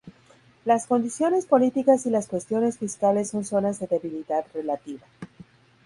Las condiciones políticas y las cuestiones fiscales son zonas de debilidad relativa.